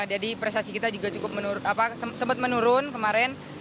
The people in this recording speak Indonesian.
jadi prestasi kita juga sempat menurun kemarin